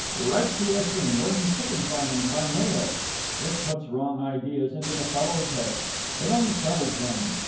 Write To Us and Learn Chicken Farming By Mail.... It puts wrong ideas into the fellows' heads. It unsettles them.